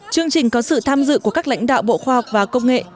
chương trình có sự tham dự của các lãnh đạo bộ khoa học và công nghệ